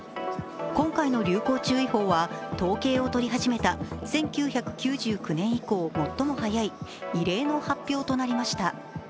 今回の流行注意報は統計を取り始めた１９９９年以降最も早い異例の発表となりました。